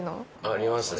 ありますね。